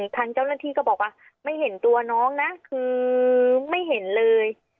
ทางเจ้าหน้าที่ก็บอกว่าไม่เห็นตัวน้องนะคือไม่เห็นเลย